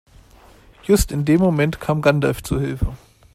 Just in dem Moment kam Gandalf zu Hilfe.